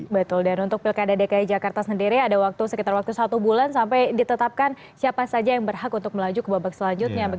betul dan untuk pilkada dki jakarta sendiri ada waktu sekitar waktu satu bulan sampai ditetapkan siapa saja yang berhak untuk melaju ke babak selanjutnya